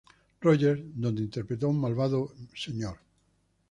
Rogers", donde interpretó a un malvado Mr.